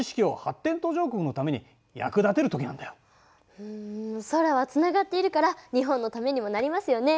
ふん空はつながっているから日本のためにもなりますよね。